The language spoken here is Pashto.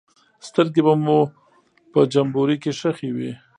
سترګې به مو په جمبوري کې ښخې وې.